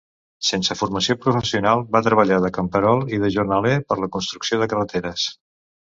Sense formació professional va treballar de camperol i de jornaler per la construcció de carreteres.